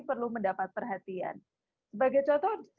perlu mendapat perhatian sebagai contoh